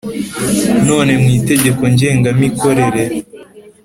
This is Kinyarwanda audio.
no mu Itegeko ngengamikorere